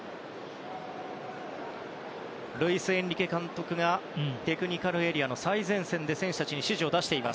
ルイス・エンリケ監督がテクニカルエリアの最前線で選手たちに指示を出しています。